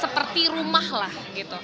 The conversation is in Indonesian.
seperti rumah lah gitu